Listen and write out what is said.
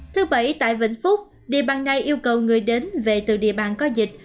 thứ bảy tại vĩnh phúc địa bàn này yêu cầu người đến về từ địa bàn có dịch